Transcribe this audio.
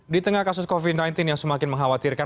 di tengah kasus covid sembilan belas yang semakin mengkhawatirkan